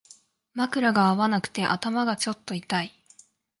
枕が合わなくて頭がちょっと痛い